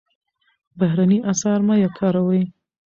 بهرني اسعار مه کاروئ.